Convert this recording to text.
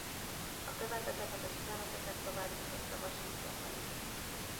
A követ ezeket az üzeneteket továbbította Washingtonba is.